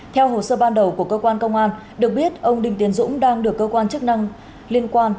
theo hồ sơ ban đầu của cơ quan công an được biết ông đình tiến dũng đang được cơ quan chức năng liên quan